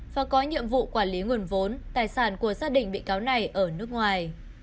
và có nhiệm vụ quản lý nguồn vốn tài sản của xác định bị cáo này ở nước ngoài